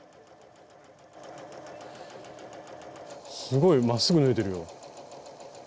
すごいまっすぐ縫えてるよ。